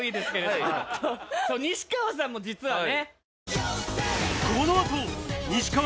西川さんも実はね。